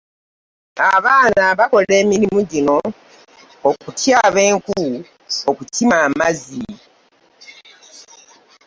Abaana bakola emirimu gino; okutyaba enku, okukima amazzi.